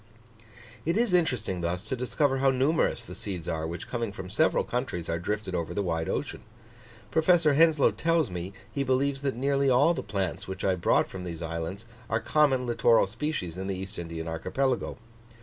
It is interesting thus to discover how numerous the seeds are, which, coming from several countries, are drifted over the wide ocean. Professor Henslow tells me, he believes that nearly all the plants which I brought from these islands, are common littoral species in the East Indian archipelago.